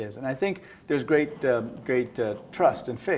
saya pikir ada percaya dan percaya